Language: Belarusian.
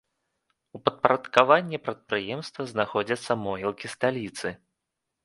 У падпарадкаванні прадпрыемства знаходзяцца могілкі сталіцы.